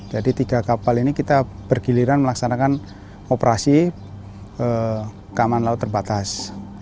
jadi tiga kapal ini kita bergiliran melaksanakan operasi keamanan laut terbatas